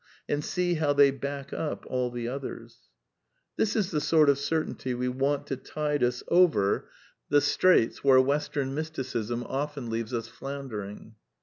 And see how they back up all the Others This is the kind of certainty we want to tide us over 270 A DEFENCE OF IDEALISM the straits where Western Mysticism often leaves us floun dering.